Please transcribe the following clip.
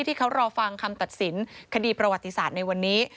ที่เขารอฟังคำตัดสินคดีประวัติศาสตร์ในวันนี้